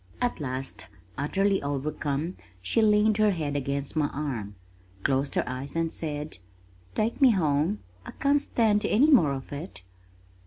At last utterly overcome she leaned her head against my arm, closed her eyes and said, "Take me home. I can't stand any more of it."